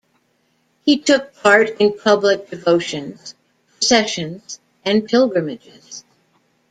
He took part in public devotions, processions, and pilgrimages.